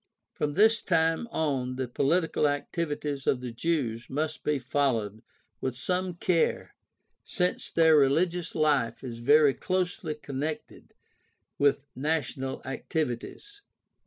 From this time on the political activities of the Jews must be followed with some care since their religious life is very closely connected with national activities.